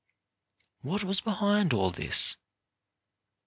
What was behind all this?